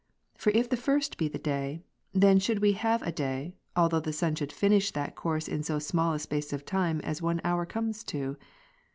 For if the first be the day ; then should we have a day, although the sun should finish that course in so small a space of time, as one hour comes to.